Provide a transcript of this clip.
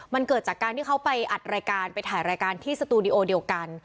มันเกิดจากการที่เขาไปอัดรายการไปถ่ายรายการที่สตูดิโอเดียวกัน